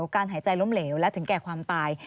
การหายใจล้มเหลวและถึงแก่ความตาย